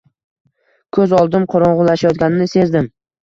Ko’z oldim qorong’ulashayotganini sezdim.